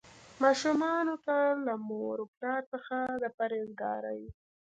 ماشومانو ته له مور او پلار څخه د پرهیزګارۍ.